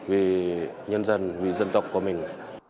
vì nhân dân vì dân tộc của mình